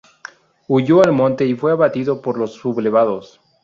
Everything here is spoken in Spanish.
Huyó al monte y fue abatido por los sublevados.